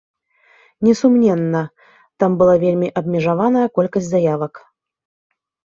Несумненна, там была вельмі абмежаваная колькасць заявак.